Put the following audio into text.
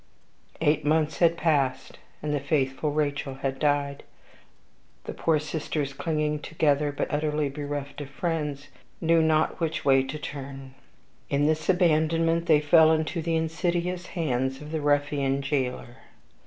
Eight months had passed, and the faithful Rachael had died. The poor sisters, clinging together, but now utterly bereft of friends, knew not which way to turn. In this abandonment they fell into the insidious hands of the ruffian jailer.